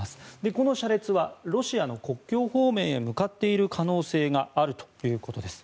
この車列はロシアの国境方面へ向かっている可能性があるということです。